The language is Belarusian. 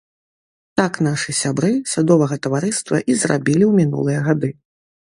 Так нашы сябры садовага таварыства і зрабілі ў мінулыя гады.